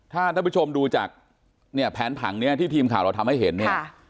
ถ้าท่านผู้ชมดูจากเนี่ยแผนผังเนี่ยที่ทีมข่าวเราทำให้เห็นเนี่ย